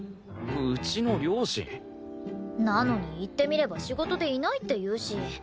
うちの両親？なのに行ってみれば仕事でいないって言うし。